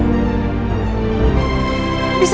bisa bisa ya kamu sepertinya